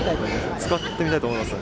使ってみたいと思いますよ。